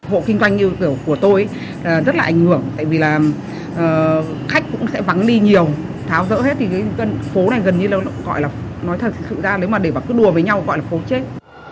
hộ kinh doanh như kiểu của tôi rất là ảnh hưởng khách cũng sẽ vắng đi nhiều tháo rỡ hết phố này gần như là nói thật sự ra để mà cứ đùa với nhau gọi là phố chết